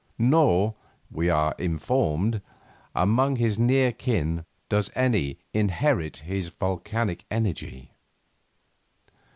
Nor, we are informed, among his near of kin, does any inherit his volcanic energy.